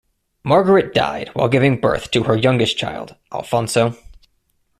Margaret died while giving birth to her youngest child, Alfonso.